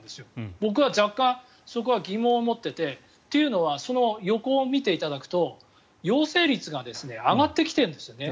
僕は若干そこは疑問を持っていてというのはその横を見ていただくと陽性率が上がってきているんですよね。